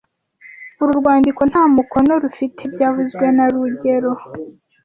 Uru rwandiko nta mukono rufite byavuzwe na rugero